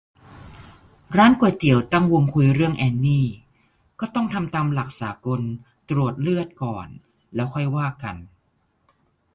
ร้านก๋วยเตี๋ยวตั้งวงคุยเรื่องแอนนี่ "ก็ต้องทำตามหลักสากล ตรวจเลือดก่อน แล้วค่อยว่ากัน"